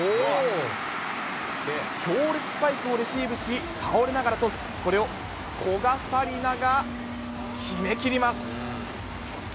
強烈スパイクをレシーブし、倒れながらトス、これを古賀紗理那が決め切ります。